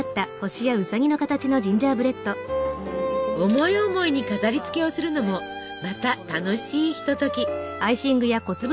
思い思いに飾りつけをするのもまた楽しいひととき。